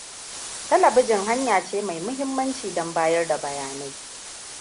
Talabijin hanya ce mai mahimmanci don bayar da bayanai.